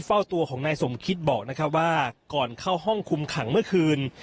เฝ้าตัวของนายสมคิดบอกนะครับว่าก่อนเข้าห้องคุมขังเมื่อคืน